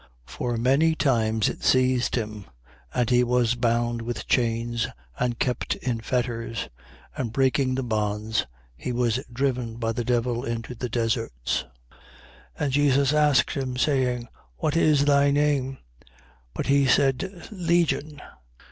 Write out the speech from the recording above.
For many times it seized him: and he was bound with chains and kept in fetters: and breaking the bonds, he was driven by the devil into the deserts. 8:30. And Jesus asked him, saying: What is thy name? But he said: Legion.